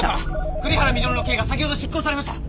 栗原稔の刑が先ほど執行されました！